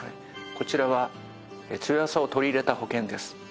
こちらは「つよやさ」を取り入れた保険です。